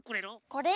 これ？